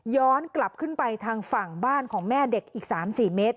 กลับขึ้นไปทางฝั่งบ้านของแม่เด็กอีก๓๔เมตร